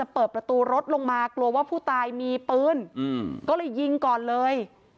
เปิดประตูรถลงมากลัวว่าผู้ตายมีปืนก็เลยยิงก่อนเลย